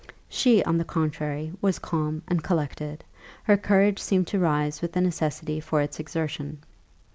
She, on the contrary, was calm and collected; her courage seemed to rise with the necessity for its exertion.